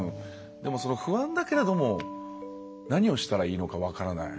でも不安だけれども何をしたらいいのか分からない。